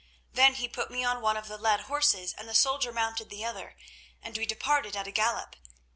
Then he put me on one of the led horses and the soldier mounted the other, and we departed at a gallop.